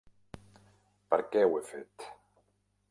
Per què ho he fet?